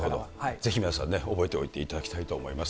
ぜひ皆さんね、覚えておいていただきたいと思います。